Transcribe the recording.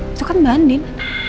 itu kan mbak andin